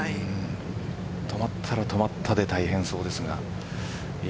止まったら止まったで大変そうですが。